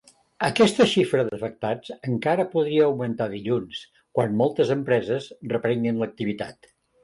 Aquesta xifra d’afectats encara podria augmentar dilluns, quan moltes empreses reprenguin l’activitat.